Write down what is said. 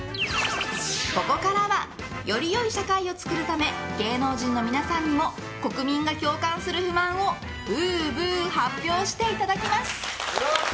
ここからはより良い社会を作るため芸能人の皆さんにも国民が共感する不満をぶうぶう発表していただきます。